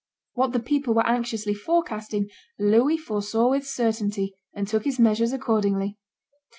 What the people were anxiously forecasting, Louis foresaw with certainty, and took his measures accordingly.